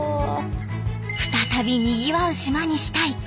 再びにぎわう島にしたい。